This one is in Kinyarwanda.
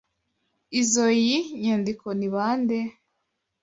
Izoi nyandiko ni bande?